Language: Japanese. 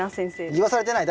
言わされてない？